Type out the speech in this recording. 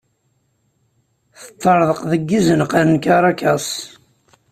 Teṭṭerḍeq deg izenqan n Karakas.